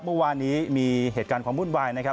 เมื่อวานนี้มีเหตุการณ์ความวุ่นวายนะครับ